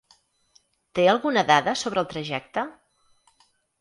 Té alguna dada sobre el trajecte?